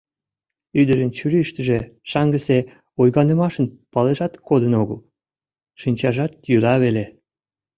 Ӱдырын чурийыштыже шаҥгысе ойганымашын палыжат кодын огыл, шинчажат йӱла веле.